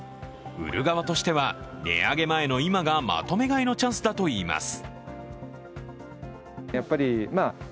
売る側としては、値上げ前の今がまとめ買いのチャンスだといいます。